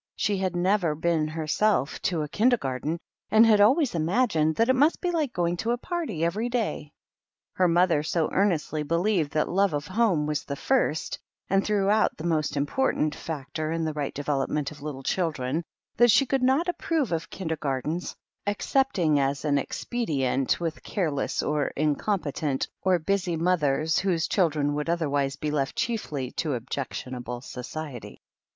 She had never been herself to a Kindergarten, and had always imagined that it must be like going to a party every day. Her mother so earnestly believed that love of home was the first, and throughout the most important, factor in the right development of little children, that she could not approve of Kindergartens, except ing as an expedient with careless, or incom petent, or busy mothers, whose children would otherwise be left chiefly to objectionable society.